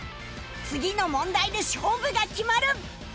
次の問題で勝負が決まる！